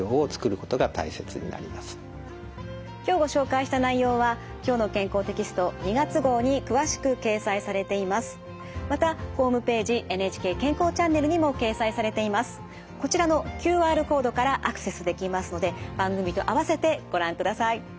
こちらのＱＲコードからアクセスできますので番組と併せてご覧ください。